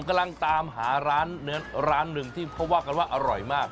กำลังตามหาร้านหนึ่งที่เขาว่ากันว่าอร่อยมาก